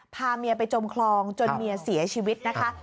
พาเมียไปจมคลองจนเมียเสียชีวิตนะคะ